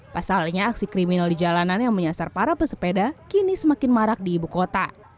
pasalnya aksi kriminal di jalanan yang menyasar para pesepeda kini semakin marak di ibu kota